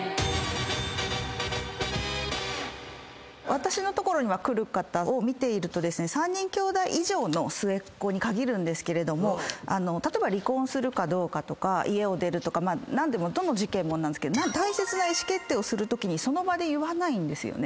私の所に来る方を見ていると３人きょうだい以上の末っ子に限るんですけれども例えば離婚するかどうかとか家を出るとかどの事件も大切な意思決定をするときにその場で言わないんですよね。